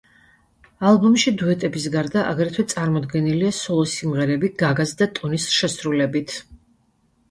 ალბომში დუეტების გარდა აგრეთვე წარმოდგენილია სოლო სიმღერები გაგას და ტონის შესრულებით.